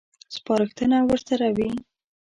سپارښتنه ورسره وي.